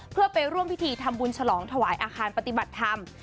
เพื่อไปร่วมพิธีทำบุญฉลองถวายอาคารปฏิบัติธรรม